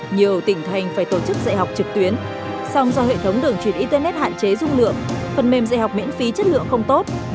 nhiều tỉnh thành phải tổ chức dạy học trực tuyến song do hệ thống đường truyền internet hạn chế dung lượng phần mềm dạy học miễn phí chất lượng không tốt